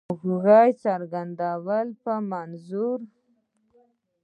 خواخوږی څرګندولو په منظور.